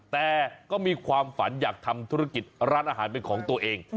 แต่ก็มีความฝันอยากทำธุรกิจร้านอาหารเป็นของตัวเอง